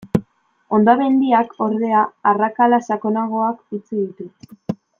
Hondamendiak, ordea, arrakala sakonagoak utzi ditu.